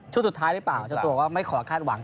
สุดท้ายหรือเปล่าเจ้าตัวก็ไม่ขอคาดหวัง